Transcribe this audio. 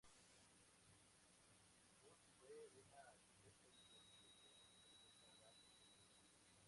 Budd fue una arquitecta que se entregó totalmente a la profesión.